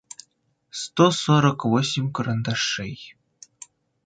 сто сорок восемь карандашей